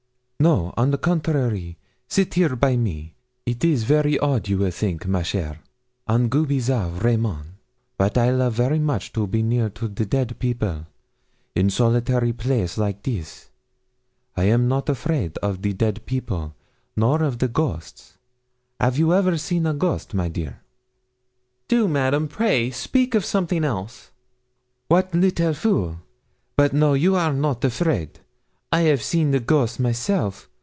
'No, on the contrary, sit here by me. It is very odd, you will think, ma chêre un goût bizarre, vraiment! but I love very much to be near to the dead people in solitary place like this. I am not afraid of the dead people, nor of the ghosts. 'Av you ever see a ghost, my dear?' 'Do, Madame, pray speak of something else.' 'Wat little fool! But no, you are not afraid. I 'av seen the ghosts myself.